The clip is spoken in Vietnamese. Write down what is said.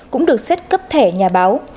cũng được xét cấp thẻ nhà báo